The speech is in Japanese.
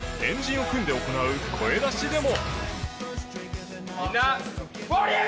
今回の大会前円陣を組んで行う声出しでも。